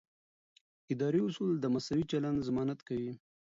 اداري اصول د مساوي چلند ضمانت کوي.